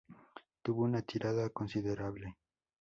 Tuvo una tirada considerable.